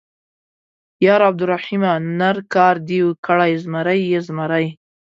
_ياره عبدالرحيمه ، نر کار دې کړی، زمری يې، زمری.